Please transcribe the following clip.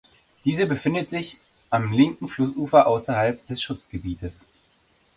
Diese befindet sich am linken Flussufer außerhalb des Schutzgebietes.